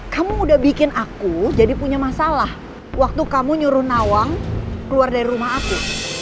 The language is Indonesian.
kamu udah bikin aku jadi punya masalah waktu kamu nyuruh nawang keluar dari rumah aku